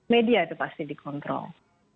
media itu pasti dikontrol